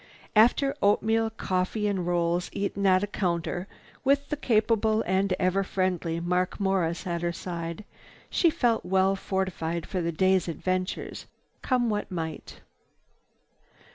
After oatmeal, coffee and rolls eaten at a counter with the capable and ever friendly Mark Morris at her side, she felt well fortified for the day's adventures, come what might.